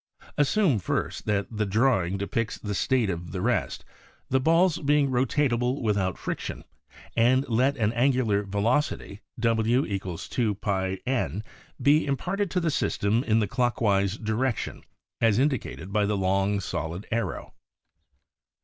Assume, first, that the drawing depicts the state of rest, the balls being rotatable without friction, and let an angular velocity »= 2 " n be im parted to the system in the clockwise direc tion as indicated by the long solid arrow.